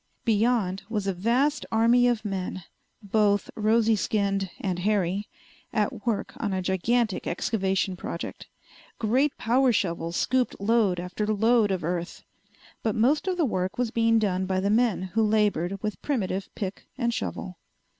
Beyond was a vast army of men, both rosy skinned and hairy, at work on a gigantic excavation project. Great power shovels scooped load after load of earth. But most of the work was being done by the men who labored with primitive pick and shovel.